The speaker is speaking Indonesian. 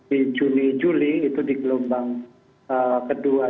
di juni juli itu di gelombang kedua